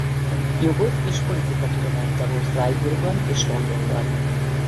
Jogot és politikatudományt tanult Freiburgban és Londonban.